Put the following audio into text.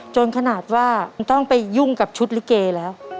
จนขนาดว่าต้องไปยุ่งกับชุดลิเกแล้ว